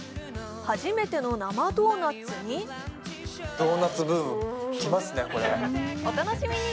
初めての生ドーナツにお楽しみに。